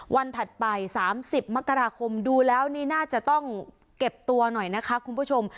ถัดไป๓๐มกราคมดูแล้วนี่น่าจะต้องเก็บตัวหน่อยนะคะคุณผู้ชม